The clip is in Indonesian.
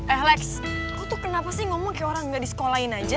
eh lex lo tuh kenapa sih ngomong kayak orang gak disekolahin aja